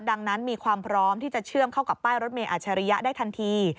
ดังนั้นมีความพร้อมที่จะเชื่อมเข้ากับป้ายรถเมยอัชริยะได้ทันที